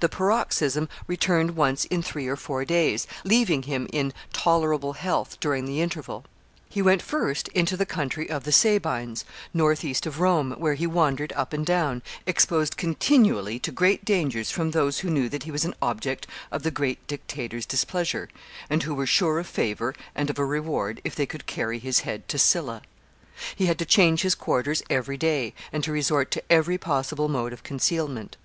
The paroxysm returned once in three or four days, leaving him in tolerable health during the interval. He went first into the country of the Sabines, northeast of Rome, where he wandered up and down, exposed continually to great dangers from those who knew that he was an object of the great dictator's displeasure, and who were sure of favor and of a reward if they could carry his head to Sylla He had to change his quarters every day, and to resort to every possible mode of concealment.